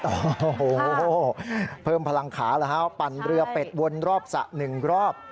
โอ้โหเพิ่มพลังขาแล้วฮะปั่นเรือเป็ดวนรอบสระ๑รอบ